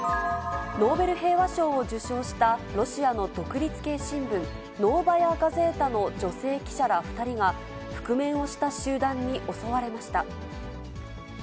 ノーベル平和賞を受賞したロシアの独立系新聞、ノーバヤ・ガゼータの女性記者ら２人が、覆面をした集団に襲われました。